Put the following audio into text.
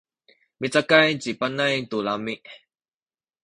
micakay ci Panay tu lami’.